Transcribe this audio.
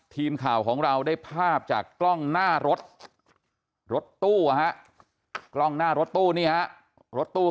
ทีมข่าวของเราได้ภาพจากกล้องหน้ารถรถตู้ข่าวหน้ารถตู้